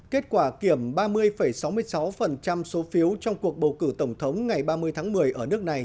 kết quả kiểm ba mươi sáu mươi sáu số phiếu trong cuộc bầu cử tổng thống ngày ba mươi tháng một mươi ở nước này